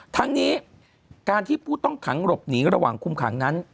ทั้งนี้การที่ผู้ต้องขังหลบหนีระหว่างคุมขังนั้น